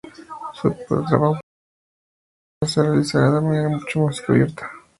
Su trabajo posterior en la tierra se realizará de manera mucho más encubierta.